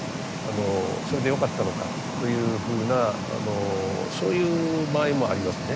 それでよかったのかというふうなそういう場合もありますね。